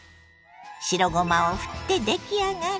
白ごまをふって出来上がり。